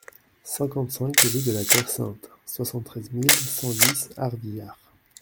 cinquante-cinq rue de la Terre Sainte, soixante-treize mille cent dix Arvillard